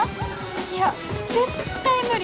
いや絶対無理！